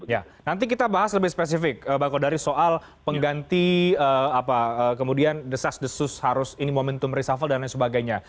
ya nanti kita bahas lebih spesifik pak kodari soal pengganti apa kemudian the such the sus harus ini momentum reshuffle dan lain sebagainya